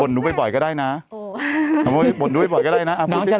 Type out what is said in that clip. หนูขอไม่ออกหน้านะคะ